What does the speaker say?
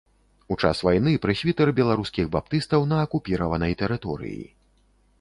У час вайны прэсвітэр беларускіх баптыстаў на акупіраванай тэрыторыі.